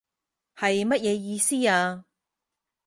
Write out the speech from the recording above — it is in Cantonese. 係乜嘢意思啊？